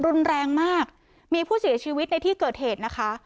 รุนแรงมากมีผู้เสียชีวิตในที่เกิดเหตุนะคะ